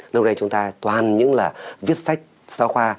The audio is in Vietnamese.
lâu nay chúng ta toàn những là viết sách giáo khoa